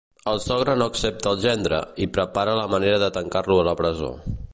El sogre no accepta el gendre, i prepara la manera de tancar-lo a la presó.